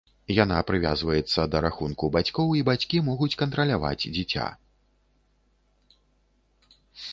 Яна прывязваецца да рахунку бацькоў, і бацькі могуць кантраляваць дзіця.